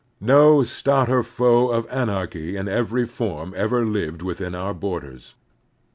No stouter foe of anarchy in every form ever lived within our borders.